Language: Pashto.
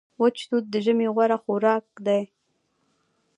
وچ توت د ژمي غوره خوراک دی.